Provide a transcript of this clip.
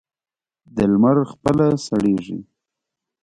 د لمر خپله سړېږي.